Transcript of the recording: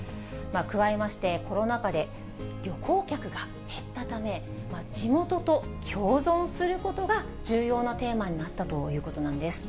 加えまして、コロナ禍で旅行客が減ったため、地元と共存することが重要なテーマになったということなんです。